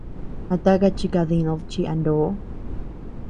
¿A taka chikadinud chi a ndo?